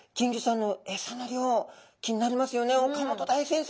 岡本大先生